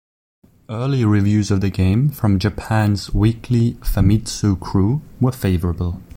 Early reviews of the game from Japan's "Weekly Famitsu Crew" were favorable.